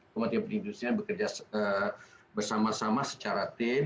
kementerian perindustrian bekerja bersama sama secara tim